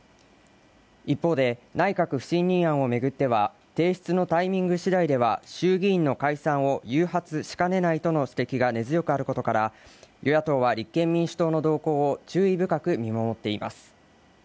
一方で、内閣不信任案を巡っては提出のタイミングしだいでは衆議院の解散を誘発しかねないとの指摘が根強くあることから、与野党は立憲民主党の動向を注意深く見守っています。